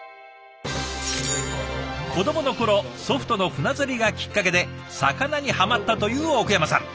子どもの頃祖父との船釣りがきっかけで魚にはまったという奥山さん。